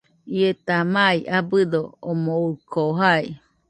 Ieta mai abɨdo omoɨko jai.